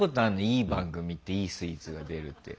いい番組っていいスイーツが出るって。